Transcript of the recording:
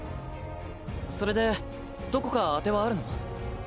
それでどこか当てはあるの？